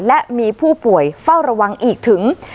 และมีผู้ป่วยเฝ้าระวังอีกถึง